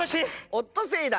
オットセイだ。